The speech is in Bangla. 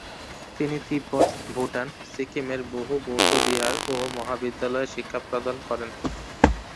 তিনি তিব্বত, ভুটান, সিক্কিমের বহু বৌদ্ধবিহার ও মহাবিদ্যালয়ে শিক্ষাপ্রদান করেন।